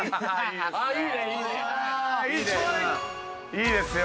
いいですよ。